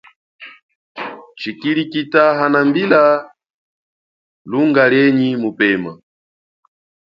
Tshikilikita hanambila lunga lienyi mupema.